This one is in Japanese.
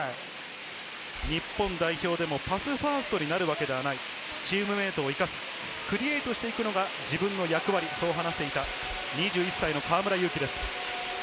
日本代表でもパスファーストになるわけではない、チームメート生かす、クリエイトしていくのが自分の役割と話していた２１歳の河村勇輝です。